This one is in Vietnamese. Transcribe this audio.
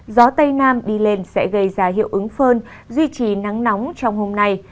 gió tây nam đi lên sẽ gây ra hiệu ứng phơn duy trì nắng nóng trong hôm nay